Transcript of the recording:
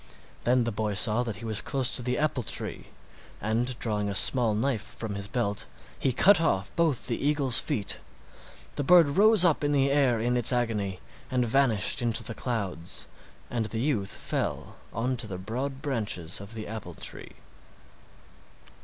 Then the boy saw that he was close to the apple tree, and drawing a small knife from his belt he cut off both the eagle's feet. The bird rose up in the air in its agony and vanished into the clouds, and the youth fell on to the broad branches of the apple tree.